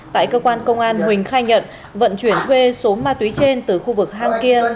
tại cơ quan công an huỳnh khai nhận vận chuyển thuê số ma túy trên từ khu vực hang kia